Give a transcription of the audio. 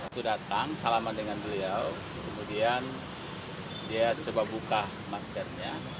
itu datang salaman dengan beliau kemudian dia coba buka maskernya